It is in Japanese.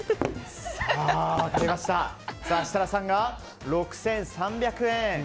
設楽さんが６３００円。